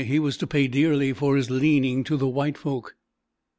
He was to pay dearly for his leaning to the white folk.